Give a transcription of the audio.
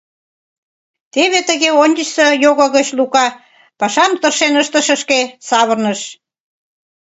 Теве тыге ончычсо його гыч Лука пашам тыршен ыштышышке савырныш.